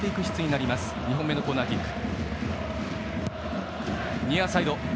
２本目のコーナーキック。